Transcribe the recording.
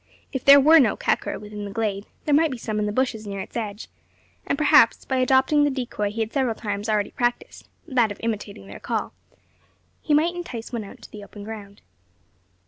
If there were no kakur within the glade, there might be some in the bushes near its edge; and perhaps, by adopting the decoy he had several times already practised that of imitating their call he might entice one out into the open ground.